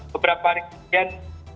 beberapa hari kemudian